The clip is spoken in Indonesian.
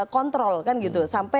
kontrol kan gitu